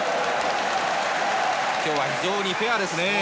今日は、非常にフェアですね。